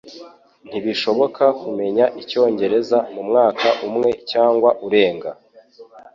Ntibishoboka kumenya icyongereza mumwaka umwe cyangwa urenga.